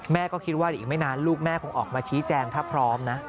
ก็คิดว่าเดี๋ยวอีกไม่นานลูกแม่คงออกมาชี้แจงถ้าพร้อมนะ